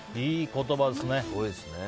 いい言葉ですね。